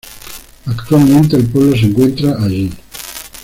Actualmente el pueblo se encuentra allí.